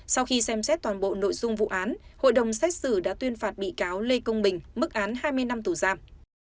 sau khi xem xét toàn bộ nội dung vụ án hội đồng xét xử đã tuyên phạt bị cáo lê công bình mức án hai mươi năm tù giam